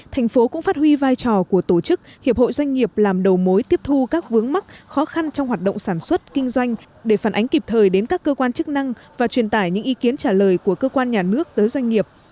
thành phố cũng phát huy vai trò của tổ chức hiệp hội doanh nghiệp làm đầu mối tiếp thu các vướng mắc khó khăn trong hoạt động sản xuất kinh doanh để phản ánh kịp thời đến các cơ quan chức năng và truyền tải những ý kiến trả lời của cơ quan nhà nước tới doanh nghiệp